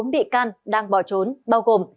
bốn bị can đang bỏ trốn bao gồm